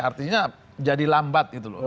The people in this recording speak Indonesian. artinya jadi lambat gitu loh